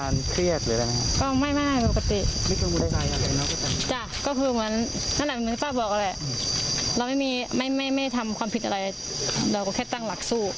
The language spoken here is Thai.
เราไม่ทำความผิดอะไรเราก็แค่ตั้งหลักสู้